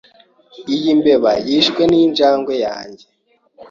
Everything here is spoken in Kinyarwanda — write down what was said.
Iyi mbeba yishwe ninjangwe yanjye.